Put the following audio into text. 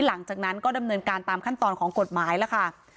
หลังจากนั้นก็ดำเนินการตามขั้นตอนของกฎหมายแล้วค่ะ